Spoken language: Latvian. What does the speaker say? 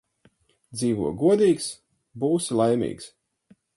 Dzīvo godīgs – būsi laimīgs